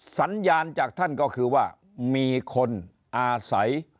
สัญญาณจากท่านก็คือว่ามีคนอาศัย